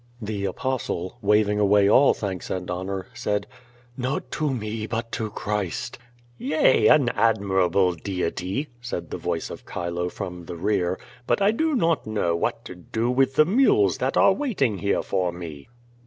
The Apostle, waving away all thanks and honor, said: *^ot to me but to Christ." "Yea, an admirable Deity 1" said the voice of Chilo from the rear. "But I do not know what to do with the mules that are waiting here for me."